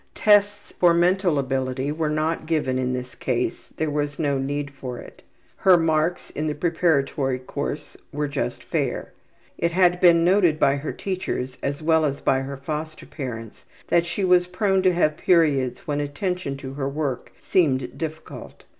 Tests for mental ability were not given in this case, there was no need for it. Her marks in the preparatory course were just fair. It had been noted by her teachers, as well as by her foster parents, that she was prone to have periods when attention to her work seemed difficult.